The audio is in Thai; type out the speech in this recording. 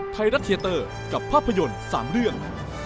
ไทยรัฐเทียเตอร์กับภาพยนตร์๓เรื่อง